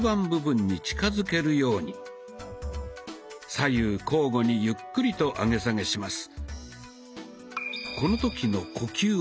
左右交互にゆっくりと上げ下げします。